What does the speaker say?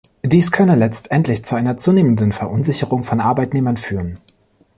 Dies könne letztendlich zu einer zunehmenden Verunsicherung von Arbeitnehmern führen.